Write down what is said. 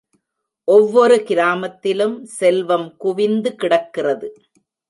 ஒவ்வொரு கிராமத்திலும் செல்வம் குவிந்து கிடக்கிறது.